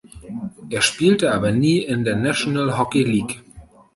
Er spielte aber nie in der National Hockey League.